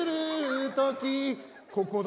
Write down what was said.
ここだ！